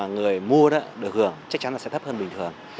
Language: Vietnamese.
người mua đó được hưởng chắc chắn là sẽ thấp hơn bình thường